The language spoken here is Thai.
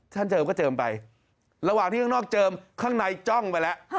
เจิมก็เจิมไประหว่างที่ข้างนอกเจิมข้างในจ้องไปแล้ว